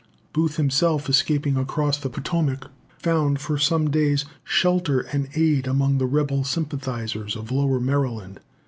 Booth himself, escaping across the Potomac, "found, for some days, shelter and aid among the rebel sympathisers of Lower Maryland."